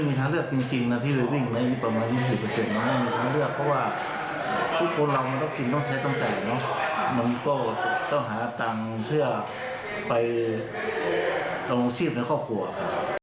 มันก็ต้องหาตังค์เพื่อไปรองชีพและครอบครัวค่ะ